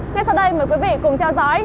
ngay sau đây mời quý vị cùng theo dõi